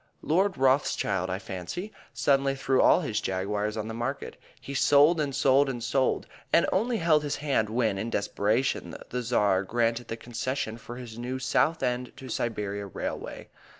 Lord Rothschild, I fancy, suddenly threw all his Jaguars on the market; he sold and sold and sold, and only held his hand when, in desperation, the Tsar granted the concession for his new Southend to Siberia railway.